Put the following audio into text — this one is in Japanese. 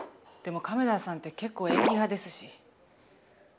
でも亀田さんって結構演技派ですし。